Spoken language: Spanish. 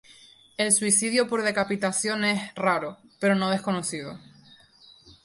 El suicidio por decapitación es raro, pero no desconocido.